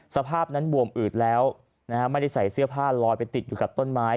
สภาพนั้นบวมอืดแล้วนะฮะไม่ได้ใส่เสื้อผ้าลอยไปติดอยู่กับต้นไม้